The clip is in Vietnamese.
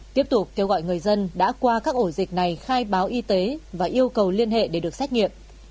tiếp tục kêu gọi người dân đã qua các ổ dịch này khai báo y tế và yêu cầu liên hệ để được xét nghiệm